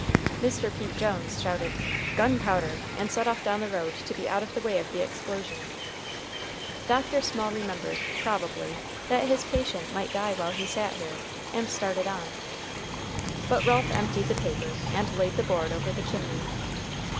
Mr. Pete Jones shouted "Gunpowder!" and set off down the road to be out of the way of the explosion. Dr. Small remembered, probably, that his patient might die while he sat here, and started on. But Ralph emptied the paper, and laid the board over the chimney.